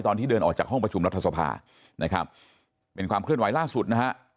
ตอนที่เดินออกจากห้องประชุมรัฐสภานะครับเป็นความเคลื่อนไหวล่าสุดนะฮะ